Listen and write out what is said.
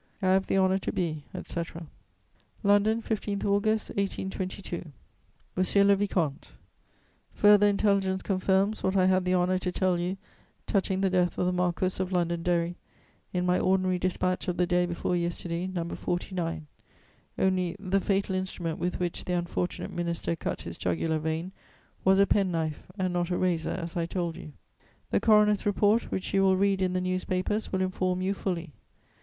"I have the honour to be, etc." "LONDON, 15 August 1822. "MONSIEUR LE VICOMTE, "Further intelligence confirms what I had the honour to tell you touching the death of the Marquess of Londonderry, in my ordinary dispatch of the day before yesterday, No. 49. Only, the fatal instrument with which the unfortunate minister cut his jugular vein was a pen knife, and not a razor as I told you. The coroner's report, which you will read in the newspapers, will inform you fully.